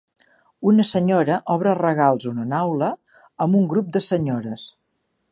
Una senyora obre regals en una aula amb un grup de senyores.